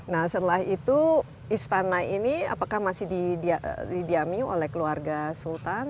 nah setelah itu istana ini apakah masih didiami oleh keluarga sultan